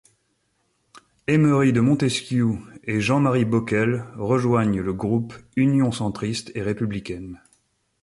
Aymeri de Montesquiou et Jean Marie Bockel rejoignent le groupe Union centriste et républicaine.